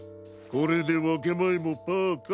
これでわけまえもパーか。